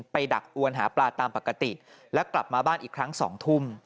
ดักอวนหาปลาตามปกติแล้วกลับมาบ้านอีกครั้ง๒ทุ่ม